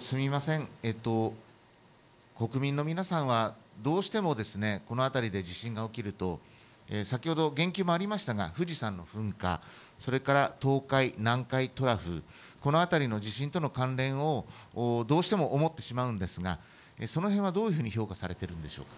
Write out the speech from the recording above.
すみません、国民の皆さんは、どうしてもこの辺りで地震が起きると先ほど言及もありましたが富士山の噴火、それから東海、南海トラフ、この辺りの地震との関連をどうしても思ってしまうんですがその辺はどういうふうに評価されているんでしょうか。